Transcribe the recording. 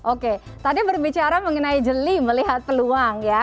oke tadi berbicara mengenai jeli melihat peluang ya